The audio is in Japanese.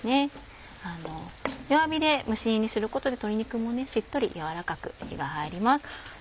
弱火で蒸し煮にすることで鶏肉もしっとり軟らかく火が入ります。